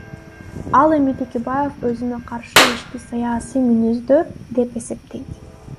Ал эми Текебаев өзүнө каршы ишти саясий мүнөздүү деп эсептейт.